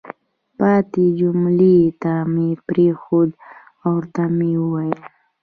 پاتې جملې ته مې پرېنښود او ورته ومې ویل: